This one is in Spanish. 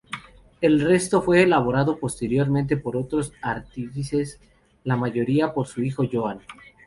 El resto fue elaborado posteriormente por otros artífices, la mayoría por su hijo Joan.